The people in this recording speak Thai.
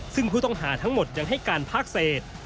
ซึ่งผู้ต้องหาทั้งหมดยังให้การภาคเศษ